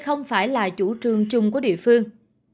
không phải là chủ trường chung của địa phương